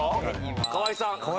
川合さん。